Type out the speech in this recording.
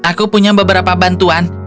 aku punya beberapa bantuan